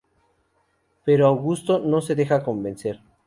Pero Augusto no se deja convencer.